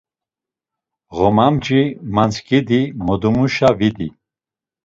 Ğomamci matzǩindi modumuşa vidi.